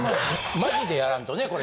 マジでやらんとねこれ。